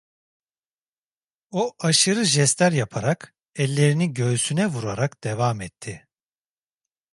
O, aşırı jestler yaparak, ellerini göğsüne vurarak devam etti.